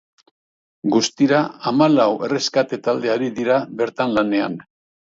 Guztira, hamalau erreskate talde ari dira bertan lanean.